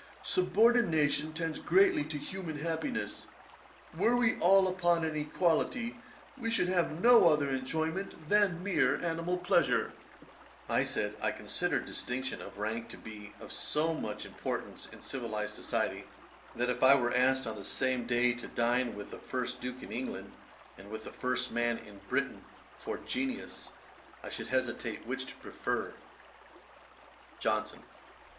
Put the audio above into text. Subordination tends greatly to human happiness. Were we all upon an equality, we should have no other enjoyment than mere animal pleasure.' [Page 443: Johnson's respect for rank. Ætat 54.] I said, I considered distinction of rank to be of so much importance in civilised society, that if I were asked on the same day to dine with the first Duke in England, and with the first man in Britain for genius, I should hesitate which to prefer. JOHNSON.